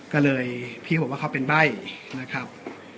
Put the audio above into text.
ก็เลยพี่เขาบอกว่าเขาเป็นใบ้นะครับ